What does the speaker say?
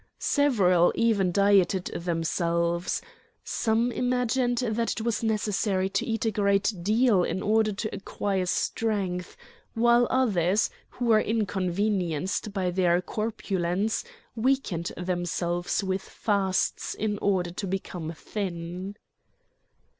Several even dieted themselves. Some imagined that it was necessary to eat a great deal in order to acquire strength, while others who were inconvenienced by their corpulence weakened themselves with fasts in order to become thin.